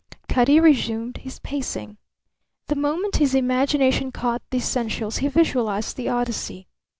Cutty resumed his pacing. The moment his imagination caught the essentials he visualized the Odyssey.